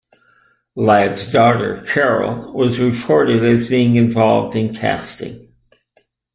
Ladd's daughter Carol was reported as being involved in casting.